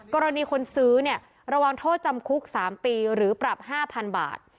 กรณีคนซื้อเนี่ยระวังโทษจำคุก๓ปีหรือปรับ๕๐๐๐บาท